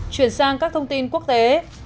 chuyển sang các thông tin quốc tế